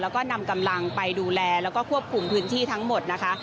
แล้วก็นำกำลังไปดูแลแล้วก็ควบคุมพื้นที่ทั้งหมดนะคะ